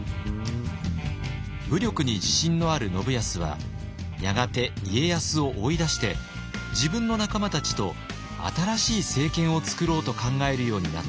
武力に自信のある信康はやがて家康を追い出して自分の仲間たちと新しい政権を作ろうと考えるようになったようです。